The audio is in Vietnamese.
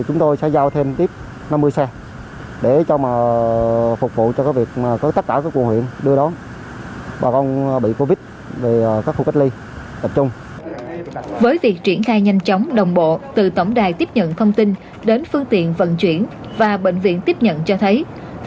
các xe bao gồm tài xế nhân viên y tế theo xe và trang bị thêm hai bình oxy bảy lít bộ test nhanh chóng đồng bộ từ tổng đài tiếp nhận thông tin đến phương tiện vận chuyển và bệnh viện tiếp nhận cho thấy